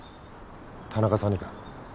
田中さんにか？